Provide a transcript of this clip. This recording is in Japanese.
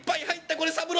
これ三六。